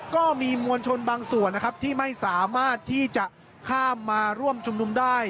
ก็มีมวลชนบางส่วนนะครับที่ไม่สามารถที่จะข้ามมาร่วมชุมนุมได้